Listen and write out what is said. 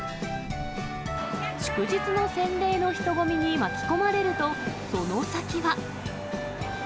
祝日の洗礼の人混みに巻き込まれると、その先は。